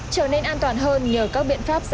trở nên an toàn hơn nhờ các biện pháp